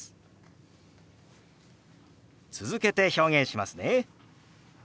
続けて表現しますね。